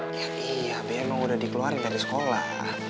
iya iya bener bener sudah dikeluarkan dari sekolah